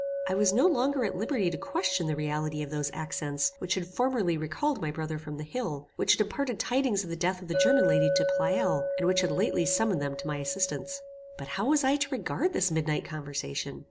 I was no longer at liberty to question the reality of those accents which had formerly recalled my brother from the hill; which had imparted tidings of the death of the German lady to Pleyel; and which had lately summoned them to my assistance. But how was I to regard this midnight conversation?